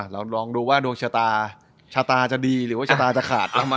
เรารองดูว่าดวงชาตาชาตาจะดีหรือว่าชาตาจะขาด